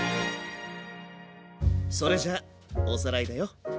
それじゃおさらいだよ。